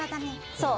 そう。